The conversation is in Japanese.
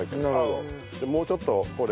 でもうちょっと掘れば。